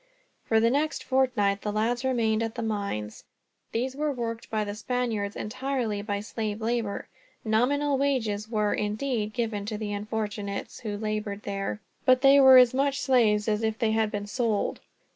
For the next fortnight, the lads remained at the mines. These were worked by the Spaniards entirely by slave labor Nominal wages were, indeed, given to the unfortunates who labored there. But they were as much slaves as if they had been sold.